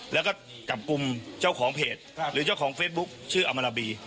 แล้วก็จับกลุ่มเจ้าของเพจหรือเจ้าของเฟซบุ๊คชื่ออมราบี